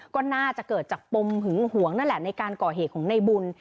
ก็น่าจะเกิดจากปมหึงหวงนั่นแหละในการก่อเหตุของในบุญ